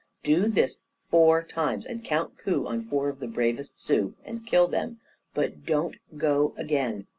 Do this four times, and count coup on four of the bravest Sioux, and kill them, but don't go again.